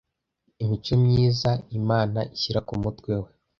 imico myiza imana ishyira kumutwe we